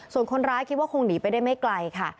ส่วนคนร้ายคิดว่าคงหนีไปได้ไม่ไกลค่ะ